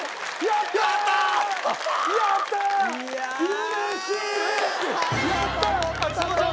やった！